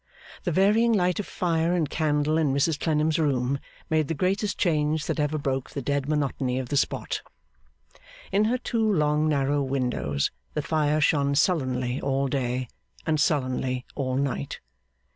The varying light of fire and candle in Mrs Clennam's room made the greatest change that ever broke the dead monotony of the spot. In her two long narrow windows, the fire shone sullenly all day, and sullenly all night.